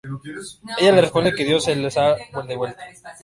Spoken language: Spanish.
Ella le responde que Dios se las ha devuelto.